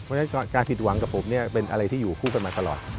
เพราะฉะนั้นการผิดหวังกับผมเนี่ยเป็นอะไรที่อยู่คู่กันมาตลอด